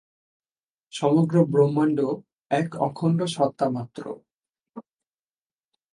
সমগ্র ব্রহ্মাণ্ড এক অখণ্ড সত্তামাত্র।